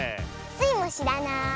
スイもしらない。